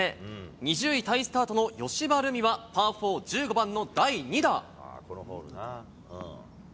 ２０位タイスタートの葭葉ルミはパー４、１５番の第２打。